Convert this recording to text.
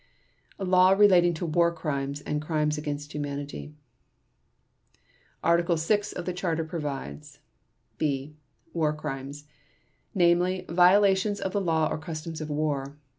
The Law Relating to War Crimes and Crimes against Humanity Article 6 of the Charter provides: "(b) War Crimes: namely, violations of the laws or customs of war.